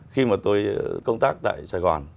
khi mà tôi công tác tại sài gòn